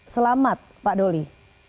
selamat pak doli